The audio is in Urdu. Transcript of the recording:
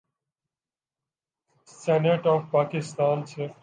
سینیٹ آف پاکستان سے۔